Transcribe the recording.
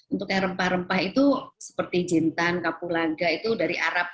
untuk yang rempah rempah itu seperti jintan kapulaga itu dari arab